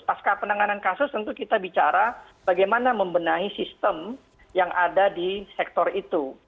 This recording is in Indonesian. pasca penanganan kasus tentu kita bicara bagaimana membenahi sistem yang ada di sektor itu